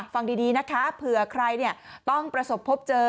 ฟังดีนะคะเผื่อใครต้องประสบพบเจอ